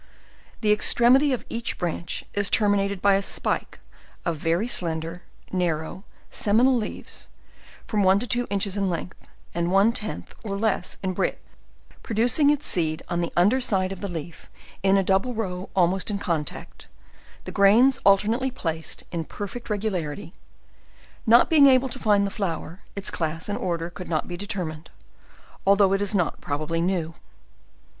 The extremity of each branch, is terminated by a spike of very slender, narrow seminal.leaves from one to two inches in length, and one tenth, or less in breadth, producing its seed on the under side of the leaf, in a double row almost in contact: the grains alternately placed in perfect regulari ty; not being able to find the flower, its clais and order could not be. determined, although it is .not probably new.